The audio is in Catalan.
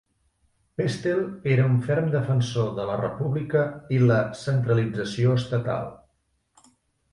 Pestel era un ferm defensor de la república i la centralització estatal.